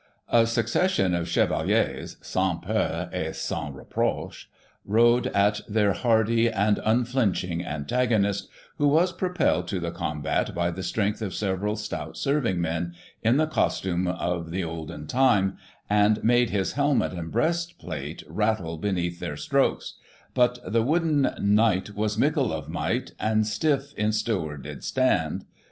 A succession of chevaliers, sans peur et sans reprochCy rode at their hardy and unflinching antagonist, who was propelled to the combat by the strength of several stout serving men, in the costume of the olden time, and made his helmet and breastplate rattle beneath their strokes, but the wooden Knight Was mickle of might, And stiff in Stower did stand, Digitized by Google i839] THE EGLINTON TOURNfAllENf.